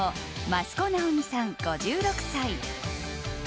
益子直美さん、５６歳。